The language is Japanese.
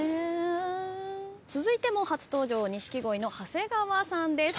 続いても初登場錦鯉の長谷川さんです。